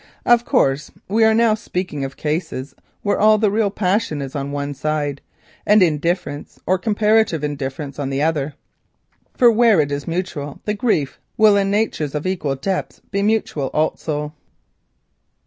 Of course this is said of cases where all the real passion is on one side, and indifference or comparative indifference on the other; for where it is mutual, the grief will in natures of equal depth be mutual also.